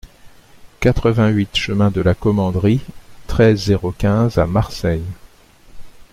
quatre-vingt-huit chemin de la Commanderie, treize, zéro quinze à Marseille